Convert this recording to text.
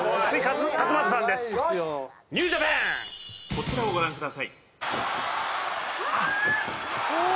「こちらをご覧ください」うわー！